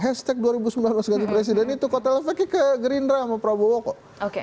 hashtag dua ribu sembilan belas ganti presiden itu kotel efeknya ke gerindra sama prabowo kok